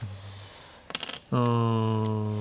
うん。